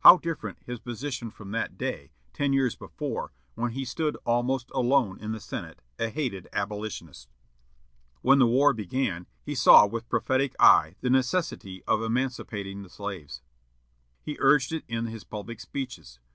How different his position from that day, ten years before, when he stood almost alone in the Senate, a hated abolitionist! When the war began, he saw with prophetic eye the necessity of emancipating the slaves. He urged it in his public speeches.